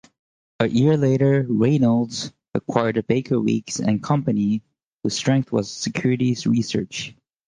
A year later, Reynolds acquired Baker Weeks and Company whose strength was securities research.